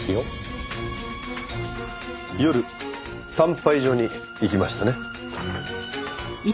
夜産廃所に行きましたね？